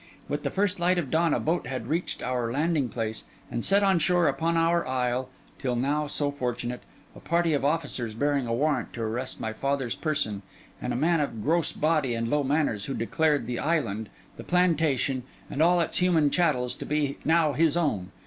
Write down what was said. With the first light of dawn a boat had reached our landing place, and set on shore upon our isle (till now so fortunate) a party of officers bearing a warrant to arrest my father's person, and a man of a gross body and low manners, who declared the island, the plantation, and all its human chattels, to be now his own.